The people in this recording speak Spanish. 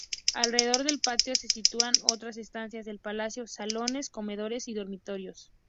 Alrededor del patio se sitúan otras estancias del palacio: Salones, comedores y dormitorios.